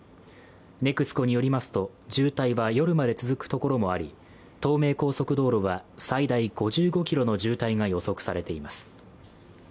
ＮＥＸＣＯによりますと、渋滞は夜まで続くところもあり東名高速道路は最大５５ｋｍの渋滞が予測されています。